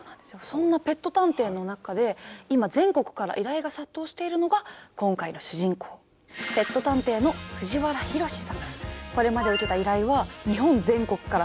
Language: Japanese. そんなペット探偵の中で今全国から依頼が殺到しているのが今回の主人公ペット探偵のかなり高い。